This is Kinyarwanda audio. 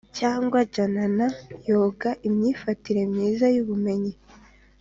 cyangwa jnana yoga, imyifatire myiza y’ubumenyi